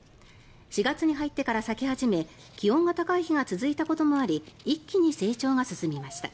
４月に入ってから咲き始め気温が高い日が続いたこともあり一気に成長が進みました。